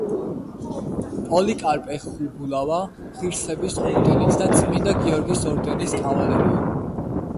პოლიკარპე ხუბულავა ღირსების ორდენის და წმინდა გიორგის ორდენის კავალერია.